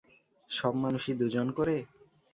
সব মানুষই দু জন করে?